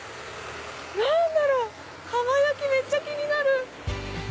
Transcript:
何だろう？釜焼めっちゃ気になる！